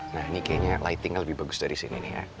nah ini kayaknya lightingnya lebih bagus dari sini nih ya